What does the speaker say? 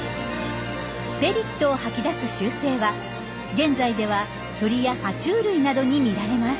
「ペリット」を吐き出す習性は現在では鳥やは虫類などに見られます。